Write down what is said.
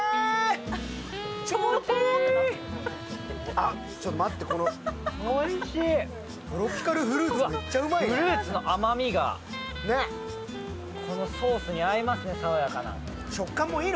あっ、ちょっと待って、トロピカルフルーツ、めっちゃうまいなフルーツの甘みがこのソースに合いますね、さわやかな。